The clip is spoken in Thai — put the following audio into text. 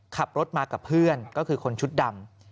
ขับรถมากับเพื่อนก็คือคนชุดดำ